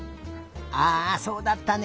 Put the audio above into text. ああそうだったね。